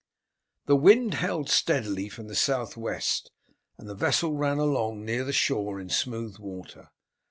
The wind held steadily from the south west, and the vessel ran along near the shore in smooth water.